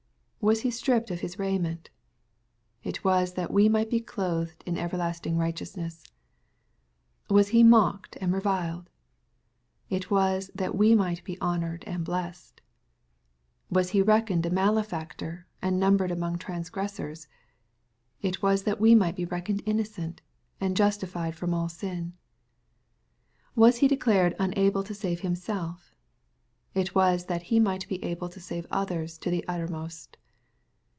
— Was He stripped of His raiment ? It was that we might be clothed in everlasting righteousness. — Was he mocked and reviled ? It was that we might be honored and blessed. — Was He reckoned a malefac tor, and numbered among transgressors ? It was that we might be reckoned innocent, and justified from all sin. — ^Was he declared unable to save Himself ? It was that He might be able to save others to the uttermost.